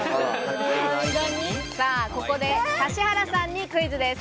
ここで指原さんにクイズです。